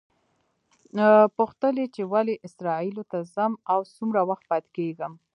پوښتل یې چې ولې اسرائیلو ته ځم او څومره وخت پاتې کېږم.